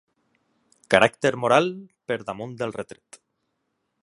Caràcter moral per damunt del retret.